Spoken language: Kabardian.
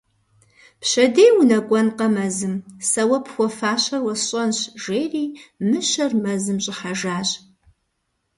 Пщэдей унэкӏуэнкъэ мэзым - сэ уэ пхуэфащэр уэсщӏэнщ, - жери мыщэр мэзым щӏыхьэжащ.